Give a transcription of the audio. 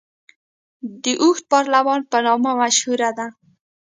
د اوږد پارلمان په نامه مشهوره ده.